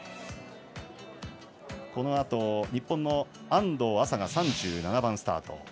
このあと、日本の安藤麻が３７番スタート。